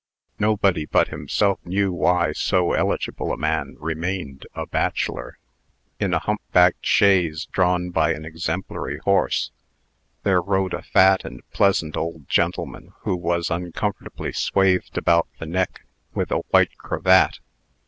Nobody but himself knew why so eligible a man remained a bachelor. In a humpbacked chaise drawn by an exemplary horse, there rode a fat and pleasant old gentleman, who was uncomfortably swathed about the neck with a white cravat.